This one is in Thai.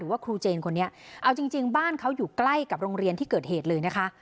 ว่าครูเจนคนนี้เอาจริงจริงบ้านเขาอยู่ใกล้กับโรงเรียนที่เกิดเหตุเลยนะคะ